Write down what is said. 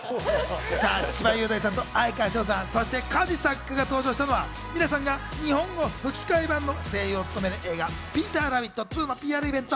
千葉雄大さんと哀川翔さん、そしてカジサックが登場したのは皆さんが日本語吹替版の声優を務める映画『ピーターラビット２』のＰＲイベント。